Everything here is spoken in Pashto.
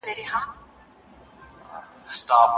دومره د فلک تر شنې مېچني لاندي تللی یم